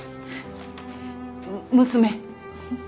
娘。